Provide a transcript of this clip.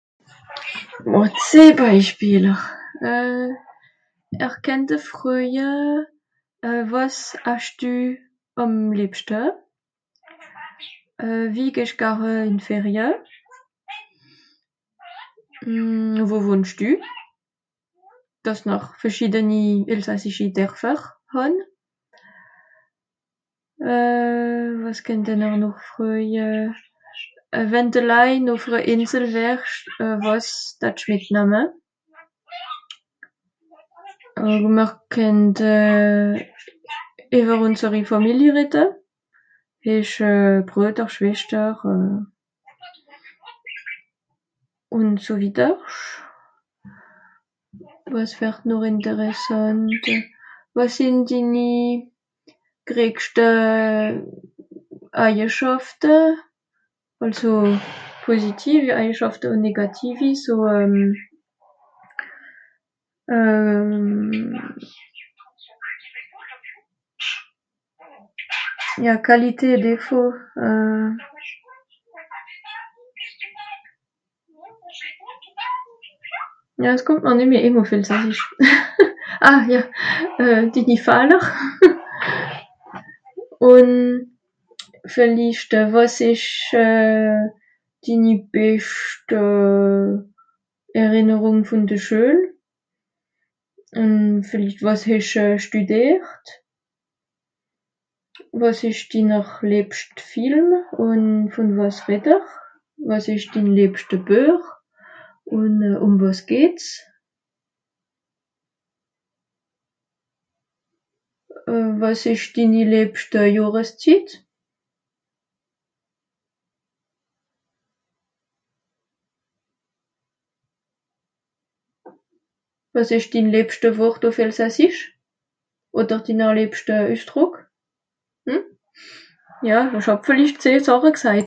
Màch zeh Beispieler euh... ìhr kennt d'Fröje, euh... wàs asch dü àm lìebschte ? euh... wie gehsch gare ìn Ferie ? wo wohnsch dü ? dàss m'r verschiedeni elsassischi Derfer hàn. Euh... wàs kennte mr noch fröje, euh... wenn d'elein ùff're Ìnsel wärsch, wàs dattsch mìtnamme ? Euh... ùn mìr kennte ìwer ùnseri Fàmili redde. Hesch euh... Brueder, Schweschter euh... ùn so widdersch. Wàs wär noch ìnterssànt ? Wàs sìnn dinni greeschte Eijeschàfte ? Àlso positivi Eijeschàfte ùn négativi, so euh... ja Qualité, Défaut euh...[bruits d'animaux] Ja es kùmmt m'r nìmmeh ìn ùf Elsassisch... Ah ja ! die... die Fahler ! Ùn vìllicht wàs ìsch dini beschte Errinerùng vùn de Schuel ? Euh... villicht wàs hesch euh... stüdìert. Wàs ìsch dinner lìebscht Film ùn vùn wàs reddt'r ? Wàs ìsch din lìebschte Buech ? ùn euh... ùm wàs geht's ? Euh... wàs ìsch dini lìebschte Johreszitt ? Wàs ìsch dinn lìebschte Wort ùf Elsassisch ? Odder dinner lìebschte Üsdrùck. Hein... Ja, ìch hàb villicht vìel Sàche gsajt.